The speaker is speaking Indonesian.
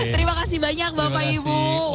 terima kasih banyak bapak ibu